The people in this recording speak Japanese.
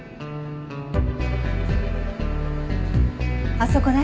あそこね？